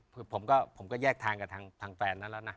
คือผมก็แยกทางกับทางแฟนนั้นแล้วนะ